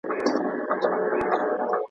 هغه له بنده خوشې شو او حج ته لاړ.